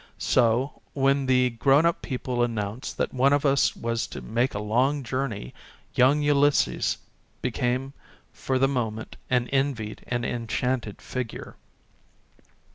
So when the grown up people announced that one of us was to make a long journey young Ulysses became for the moment an envied and enchanted A RAILWAY JOURNEY 9 figure.